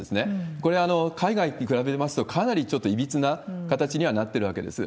これ、海外に比べますとかなりちょっといびつな形にはなってるわけです。